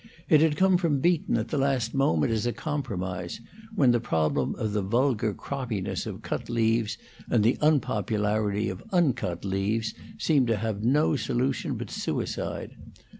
It had come from Beaton at the last moment, as a compromise, when the problem of the vulgar croppiness of cut leaves and the unpopularity of uncut leaves seemed to have no solution but suicide.